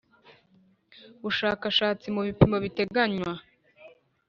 Bushakashatsi mu bipimo biteganywa